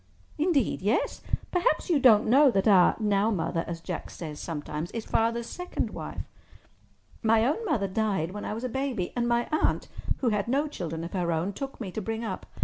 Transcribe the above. "Indeed, yes. Perhaps you don't know that our 'now mother,' as Jack says sometimes, is Father's second wife. My own mother died when I was a baby, and my aunt, who had no children of her own, took me to bring up.